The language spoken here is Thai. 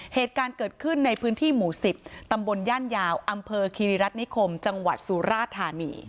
เหตุการณ์เกิดขึ้นในพื้นที่หมู่๑๐ตำบลย่านยาวอำเภอคิริรัตนิคมจังหวัดสุราธานี